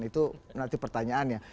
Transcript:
itu nanti pertanyaannya